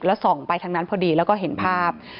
แล้วส่องไปทางนั้นพอดีแล้วก็เห็นภาพ